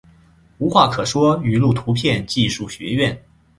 无话可说语录图片技术学院